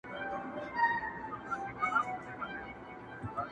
یو په یو به را نړیږي معبدونه د بُتانو،